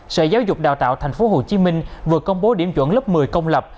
sở giáo dục đào tạo thành phố hồ chí minh vừa công bố điểm chuẩn lớp một mươi công lập